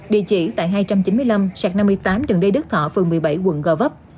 địa chỉ tại hai trăm chín mươi năm sạc năm mươi tám đường lê đức thọ phường một mươi bảy quận gò vấp